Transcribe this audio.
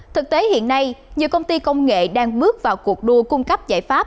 thực tế hiện nay nhiều công ty công nghệ đang bước vào cuộc đua cung cấp giải pháp